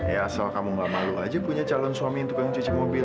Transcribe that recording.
ya asal kamu gak malu aja punya calon suami yang tukang cuci mobil